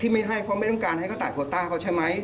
ไม่ต้องการให้เขาตัดโพต้าเขาใช่ไหม